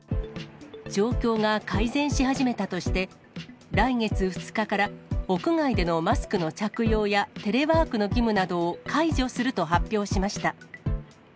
状況が改善し始めたとして、来月２日から、屋外でのマスクの着用やテレワークの義務などを解除すると発表しました。